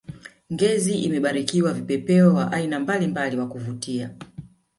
ngezi imebarikiwa vipepeo wa aina mbalimbali wa kuvutia